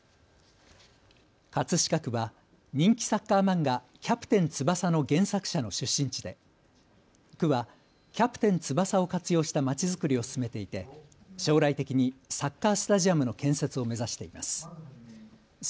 葛飾区は人気サッカー漫画、キャプテン翼の原作者の出身地で区はキャプテン翼を活用したまちづくりを進めていて将来的にサッカースタジアムの建設を目指しています。